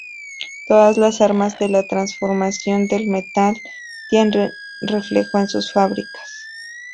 Todas la ramas de la trasformación del metal tienen reflejo en sus fábricas.